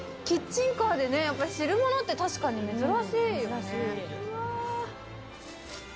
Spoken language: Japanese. キッチンカーでね、やっぱり汁物って、確かに珍しい。